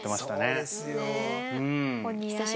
そうですよ。